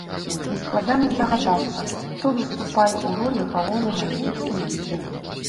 Нескладана здагадацца, хто выступае ў ролі галоўнага ньюсмейкера.